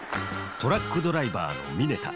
トラックドライバーの峯田。